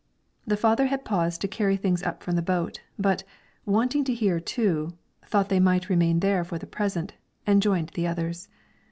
The father had paused to carry things up from the boat, but, wanting to hear, too, thought they might remain there for the present, and joined the others.